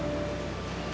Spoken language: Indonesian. mau ngapain dia